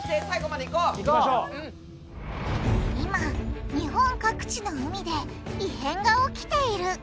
今日本各地の海で異変が起きている！